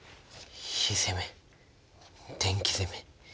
火攻め電気攻め。